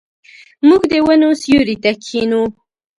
موږ د ونو سیوري ته کښینو.